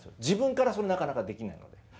自分からそれなかなかできないので。